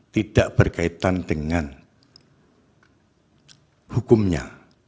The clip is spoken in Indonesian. tidak berkaitan dengan hukumnya